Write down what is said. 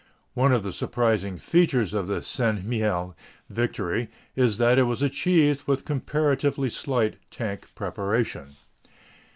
One of the surprising features of the St. Mihiel victory is that it was achieved with comparatively slight tank preparation.